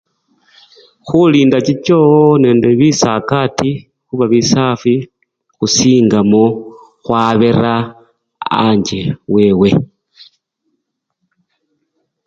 Khulinda chichoo nende bisakati khuba bisafi, khusingamo khwabera anje wewe.